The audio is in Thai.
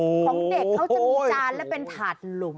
ของเด็กเขาจะมีจานและเป็นถาดหลุม